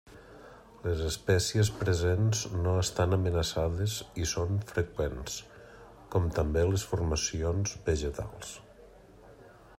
Les espècies presents no estan amenaçades i són freqüents, com també les formacions vegetals.